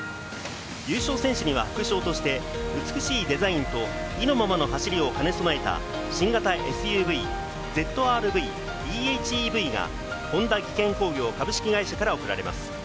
優勝選手には副賞として、美しいデザインと意のままの走りを兼ね備えた新型ＳＵＶ「ＺＲ‐Ｖｅ：ＨＥＶ」が本田技研工業株式会社から贈られます。